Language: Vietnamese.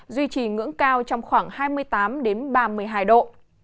duy trì ngưỡng cao trong khoảng hai mươi tám ba mươi hai độ